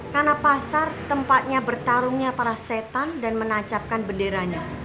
karena pasar tempatnya bertarungnya para setan dan menancapkan bendiranya